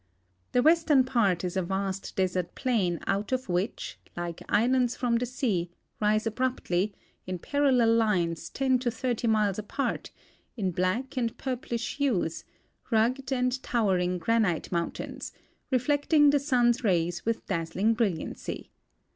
The western part is a vast desert plain out of which, like islands from the sea, rise abruptly, in parallel lines ten to thirty miles apart, in black and purplish hues, rugged and 'towering granite mountains, reflecting the sun's rays with daz zling brilliancy.